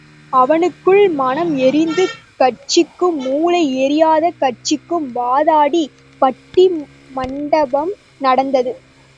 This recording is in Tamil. அவனுக்குள் மனம் எரிந்த கட்சிக்கும், மூளை எரியாத கட்சிக்கும் வாதாடி பட்டி மண்டபம் நடந்தது.